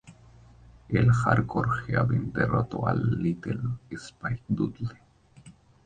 En Hardcore Heaven derrotó a "Little" Spike Dudley.